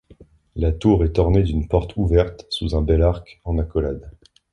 La tour est ornée d’une porte ouverte sous un bel arc en accolade.